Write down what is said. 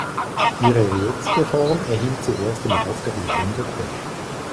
Ihre jetzige Form erhielt sie erst im Lauf der Jahrhunderte.